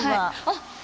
あっ！